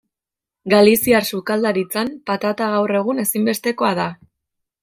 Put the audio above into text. Galiziar sukaldaritzan patata gaur egun ezinbestekoa da.